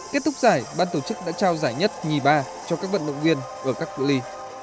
kết thúc giải ban tổ chức đã trao giải nhất nhì ba cho các vận động viên ở các cự li